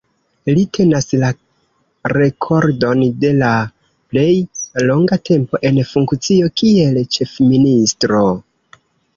Li tenas la rekordon de la plej longa tempo en funkcio kiel Ĉefministro.